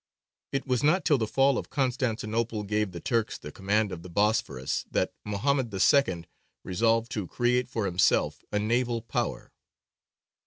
It was not till the fall of Constantinople gave the Turks the command of the Bosphorus that Mohammed II. resolved to create for himself a naval power.